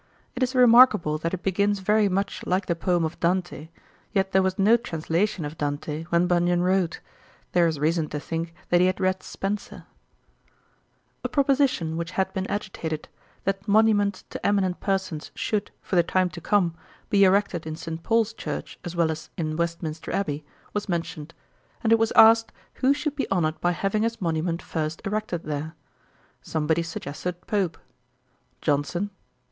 It is remarkable, that it begins very much like the poem of Dante; yet there was no translation of Dante when Bunyan wrote. There is reason to think that he had read Spenser.' A proposition which had been agitated, that monuments to eminent persons should, for the time to come, be erected in St. Paul's church as well as in Westminster abbey, was mentioned; and it was asked, who should be honoured by having his monument first erected there. Somebody suggested Pope. JOHNSON.